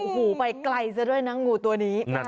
หูไปไกลซะด้วยนะงูตัวนี้